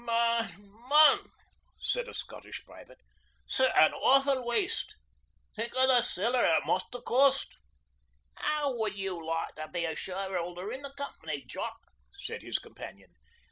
'Man, man,' said a Scottish private, 'sic an awfu' waste. Think o' the siller it must ha' cost.' ''Ow would you like to be a shareholder in the company, Jock?' said his companion.